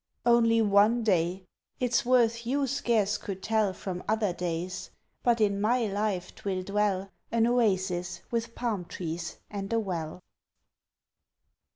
Only a day it's worth you scarce could tell From other days; but in my life 'twill dwell An oasis with palm trees and a well!